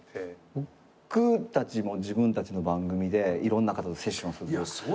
僕たちも自分たちの番組でいろんな方とセッション。